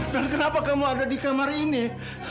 dan kenapa kamu ada di kamar ini